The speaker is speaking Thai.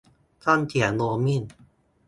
ต้องเสียโรมมิ่ง ?